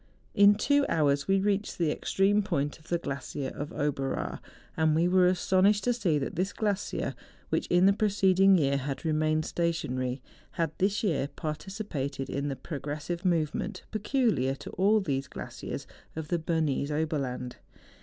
In two hours we reached the extreme point of the glacier of Oberaar; and we were astonished to see that this glacier which in the preceding year, had remained stationary, had this year participated in the progressive movement peculiar to all these glaciers of the Bernese Oberland.